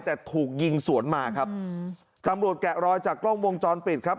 แต่ถูกยิงสวนมาครับตำรวจแกะรอยจากกล้องวงจรปิดครับ